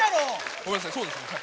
ごめんなさいそうですねはい。